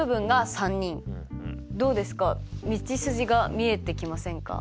どうですか道筋が見えてきませんか？